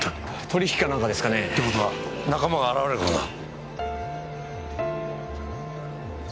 取引かなんかですかね？って事は仲間が現れるかもな。